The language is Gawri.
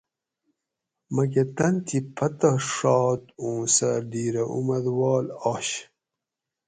مکہ تن تھی پتہ ڛات اُوں سہ ڈِھیرہ اُمادوال آش